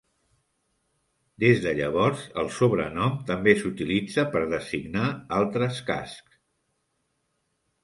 Des de llavors, el sobrenom també s'utilitza per designar altres cascs.